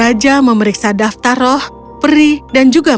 raja memeriksa daftar roh peri dan juga